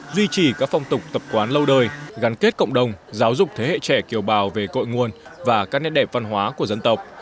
duy trì các phong tục tập quán lâu đời gắn kết cộng đồng giáo dục thế hệ trẻ kiều bào về cội nguồn và các nét đẹp văn hóa của dân tộc